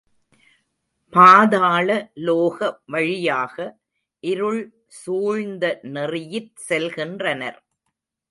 பாதாளலோக வழியாக இருள் சூழ்ந்த நெறியிற் செல்கின்றனர்.